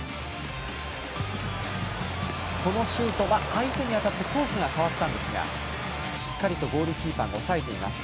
このシュートは、相手に当たってコースが変わったんですがしっかりゴールキーパーが押さえました。